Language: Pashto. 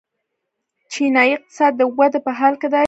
چینايي اقتصاد د ودې په حال کې دی.